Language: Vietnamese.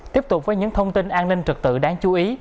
tiếp tục với những thông tin an ninh trực tự đáng chú ý